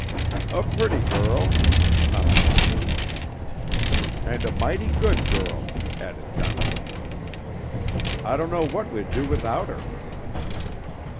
"A pretty girl," commented Hugh. "And a mighty good girl," added Jonathan. "I don't know what we'd do without her."